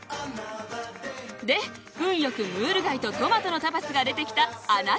で運よくムール貝とトマトのタパスが出てきたあなた